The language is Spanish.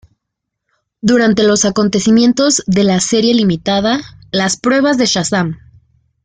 Durante los acontecimientos de la serie limitada "Las Pruebas de Shazam!